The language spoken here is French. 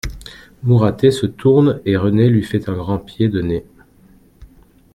Mouratet se tourne et Renée lui fait un grand pied de nez.